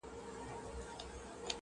وږی تږی قاسم یار یې له سترخانه ولاړېږم.